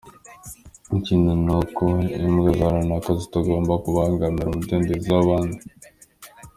Ikindi ni uko imbwa za runaka zitagomba kubangamira umudendezo w’abandi.